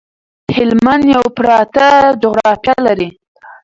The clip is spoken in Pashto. هلمند یو پراته جغرافيه لري